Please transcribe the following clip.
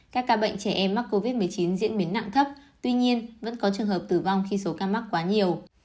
các ca bệnh trẻ em mắc covid một mươi chín diễn biến nặng thấp tuy nhiên vẫn có trường hợp tử vong khi số ca mắc quá nhiều